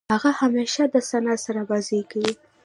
هغه همېشه د ثنا سره بازۍ کوي.